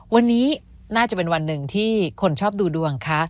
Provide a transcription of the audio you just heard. วันนี้น่าจะเป็นวันหนึ่งที่คนชอบดูดวงคะ